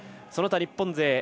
その他日本勢。